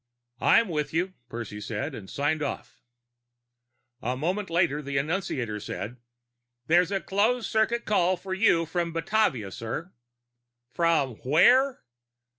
"I'm with you," Percy said, and signed off. A moment later the annunciator said, "There's a closed circuit call for you from Batavia, sir." "From where?"